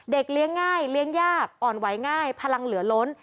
เลี้ยงง่ายเลี้ยงยากอ่อนไหวง่ายพลังเหลือล้น